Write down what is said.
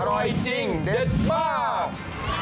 อร่อยจริงเด็ดมาก